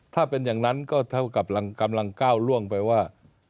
ถ้าเป็นอย่างนั้นก็เท่ากับกำลังก้าวล่วงไปว่า